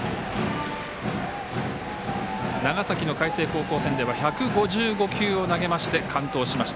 長崎の海星高校戦では１５５球を投げまして完投しました。